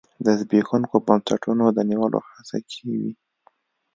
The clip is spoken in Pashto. د زبېښونکو بنسټونو د نیولو هڅه کې وي.